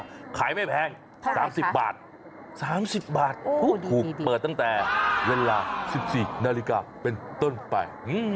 ขายไม่แพง๓๐บาท๓๐บาทถูกเปิดตั้งแต่เวลา๑๔นาฬิกาเป็นต้นไป